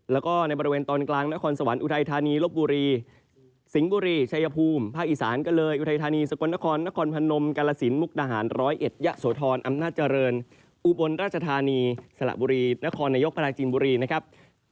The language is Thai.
แล้วก็ในบริเวณตอนกลางนครสวรรค์อุทัยธานีลบบุรีสิงห์บุรีชัยภูมิภาคอีสานก็เลยอุทัยธานีสกลนครนครพนมกาลสินมุกดาหารร้อยเอ็ดยะโสธรอำนาจเจริญอุบลราชธานีสละบุรีนครนายกปราจีนบุรีนะครับ